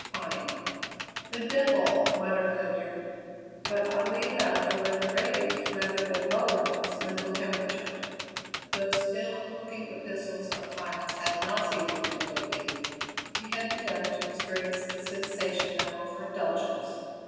Pine. "The devil!" muttered Ledyard; but oddly enough the letter raised, rather than lowered, his mental temperature. Those ill looking epistles of Pine's had nauseated him lately. He had begun to experience the sensation of over indulgence.